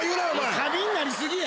過敏になり過ぎや。